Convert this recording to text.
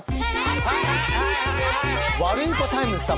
ワルイコタイムス様。